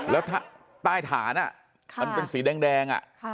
ถ้าใต้ถานน่ะค่ะอันเป็นสีแดงแดงค่ะ